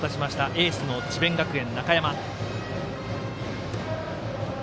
エースの智弁学園、中山。